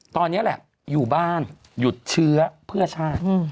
ตอนนี้แหละอยู่บ้านหยุดเชื้อเพื่อชาติ